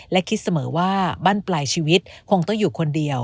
และคิดเสมอว่าบ้านปลายชีวิตคงต้องอยู่คนเดียว